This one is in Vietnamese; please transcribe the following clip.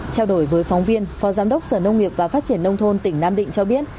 trao đổi với phóng viên phó giám đốc sở nông nghiệp và phát triển nông thôn tỉnh nam định cho biết